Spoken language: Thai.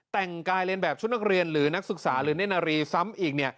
แต่งกายเรียนแบบชุดนักเรียนหรือนักศึกษาหรือเล่นนารีซ้ำอีก